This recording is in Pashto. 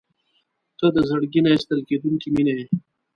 • ته د زړګي نه ایستل کېدونکې مینه یې.